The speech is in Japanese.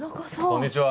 こんにちは。